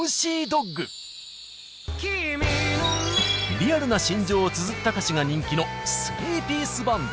リアルな心情をつづった歌詞が人気のスリーピースバンド。